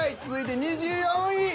続いて２４位。